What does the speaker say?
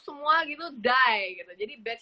semua gitu die gitu jadi batch